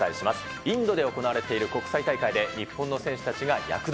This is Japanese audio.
インドで行われている国際大会で、日本の選手たちが躍動。